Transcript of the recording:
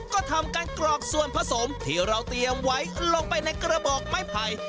ก็ทำการกรอกส่วนผสมที่เราเตรียมไว้ลงไปในกระบอกไม้ไผ่